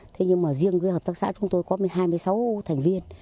thế nhưng mà riêng cái hợp tác xã chúng tôi có hai mươi sáu thành viên